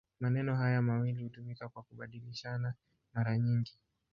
Maneno haya mawili hutumika kwa kubadilishana mara nyingi.